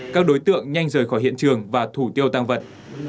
các đối tượng nhanh rời khỏi hiện trường và thủ tiêu tăng vật